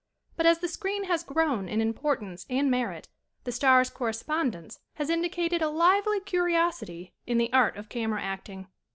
But, as the screen has grown in importance and merit, the star's cor respondence has indicated a lively curiosity in the art of camera acting.